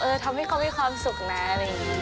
ทำให้เขามีความสุขนะอะไรอย่างนี้